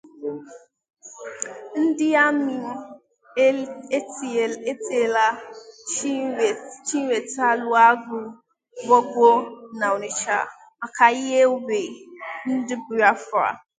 Ndị Amị̀ Etiela Chiwetalụ Agụ Gwòògwòò n'Onitsha maka Iyì Uwe Ndị Biafra